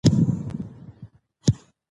دښځو حقونه داسلام چوکاټ کې ادا کړى.